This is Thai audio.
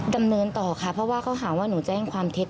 ดำเนินต่อค่ะเพราะว่าเขาหาว่าหนูแจ้งความเท็จ